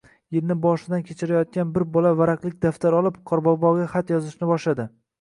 -yilni boshidan kechirayotgan bir bola varaqlik daftar olib, qorboboga xat yozishni boshladi...